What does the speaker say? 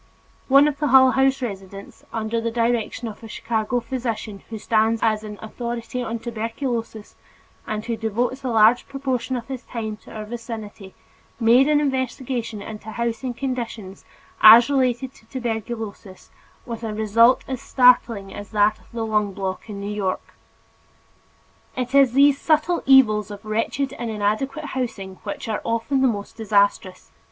One of the Hull House residents, under the direction of a Chicago physician who stands high as an authority on tuberculosis and who devotes a large proportion of his time to our vicinity, made an investigation into housing conditions as related to tuberculosis with a result as startling as that of the "lung block" in New York. It is these subtle evils of wretched and inadequate housing which are often the most disastrous.